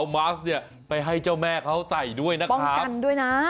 มาสเนี่ยไปให้เจ้าแม่เขาใส่ด้วยนะครับมันด้วยนะ